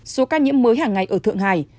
số ca nhiễm mới hàng ngày ở thượng hải